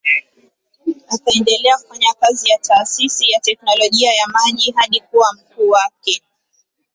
Akaendelea kufanya kazi ya taasisi ya teknolojia ya maji hadi kuwa mkuu wake.